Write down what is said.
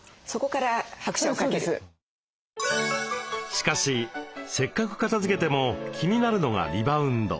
しかしせっかく片づけても気になるのがリバウンド。